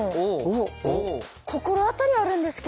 心当たりあるんですけど。